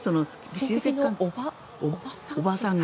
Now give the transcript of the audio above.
親戚のおばさん？